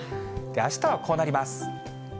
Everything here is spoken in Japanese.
あしたはこうなります。